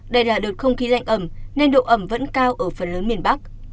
đây là đợt không khí lạnh ẩm nên độ ẩm vẫn cao ở phần lớn miền bắc